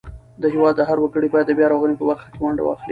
د هیواد هر وګړی باید د بیارغونې په برخه کې ونډه واخلي.